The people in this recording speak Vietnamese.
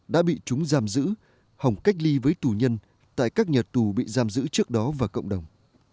đã bị chúng giam giữ hỏng cách ly với tù nhân tại các nhà tù bị giam giữ trước đó và cộng đồng